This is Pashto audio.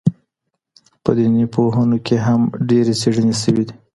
په دیني پوهنو کي هم ډېرې څېړني سوي دي.